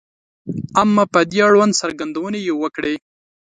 • اما په دې اړوند څرګندونې یې وکړې.